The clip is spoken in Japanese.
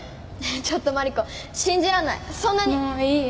ちょっとマリコ信じらんない。